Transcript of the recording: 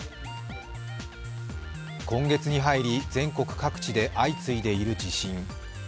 今月に入り、全国各地で相次いでいる地震。